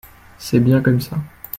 c'est bien comme ça.